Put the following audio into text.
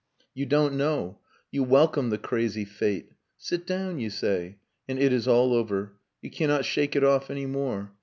You don't know. You welcome the crazy fate. "Sit down," you say. And it is all over. You cannot shake it off any more.